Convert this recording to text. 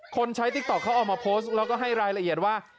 ใช้ติ๊กต๊อกเขาเอามาโพสต์แล้วก็ให้รายละเอียดว่า